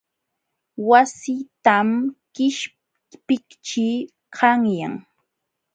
Wassitam qishpiqćhii qanyan.